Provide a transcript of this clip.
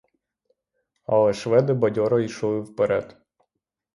Але шведи бадьоро йшли вперед.